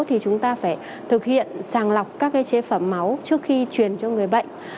thì chúng ta phải thực hiện sàng lọc các cái chế phẩm máu trước khi truyền cho người bệnh